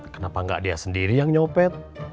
kenapa enggak dia sendiri yang nyopet